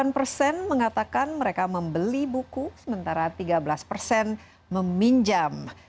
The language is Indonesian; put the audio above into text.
delapan persen mengatakan mereka membeli buku sementara tiga belas persen meminjam